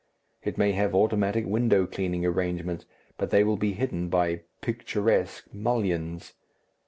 It may have automatic window cleaning arrangements, but they will be hidden by "picturesque" mullions.